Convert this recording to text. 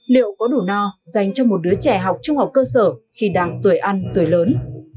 liệu có đủ no dành cho một đứa trẻ học trung học cơ sở khi đang tuổi ăn tuổi lớn